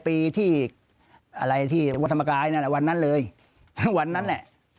ปีที่อะไรที่วัดธรรมกายนั่นแหละวันนั้นเลยทั้งวันนั้นแหละ